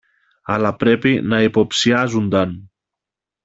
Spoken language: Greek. αλλά πρέπει να υποψιάζουνταν